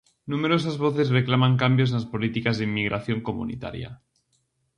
Numerosas voces reclaman cambios nas políticas de inmigración comunitaria.